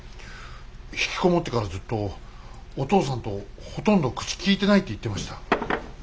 ひきこもってからずっとお父さんとほとんど口きいてないって言ってました。